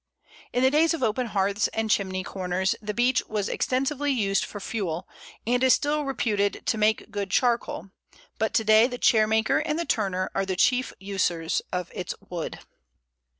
In the days of open hearths and chimney corners the Beech was extensively used for fuel, and it is still reputed to make good charcoal; but to day the chairmaker and the turner are the chief users of its wood.